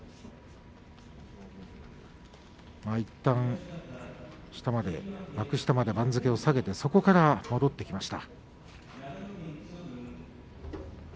いったん幕下まで番付を下げてそこから戻ってきました。